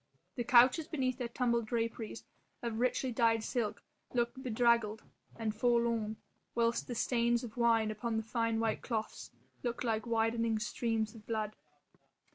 The couches beneath their tumbled draperies of richly dyed silk looked bedraggled and forlorn, whilst the stains of wine upon the fine white cloths looked like widening streams of blood.